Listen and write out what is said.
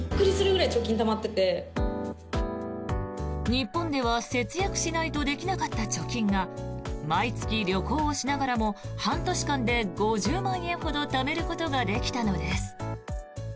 日本では節約しないとできなかった貯金が毎月旅行をしながらも半年間で５０万円ほどためることができたのです。